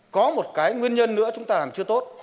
có một cái nguyên nhân nữa chúng ta làm chưa tốt